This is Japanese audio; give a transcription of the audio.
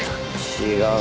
違う！